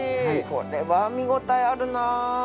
これは見応えあるな。